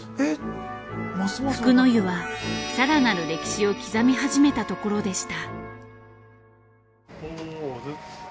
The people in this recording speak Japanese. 福の湯はさらなる歴史を刻み始めたところでした。